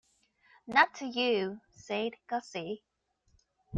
"Not to you," said Gussie.